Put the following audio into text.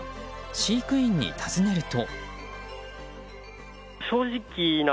飼育員に尋ねると。